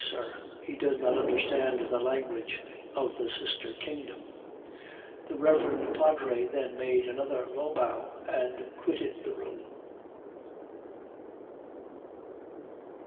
Sir, he does not understand the language of the sister kingdom.' The reverend padre then made another low bow, and quitted the room."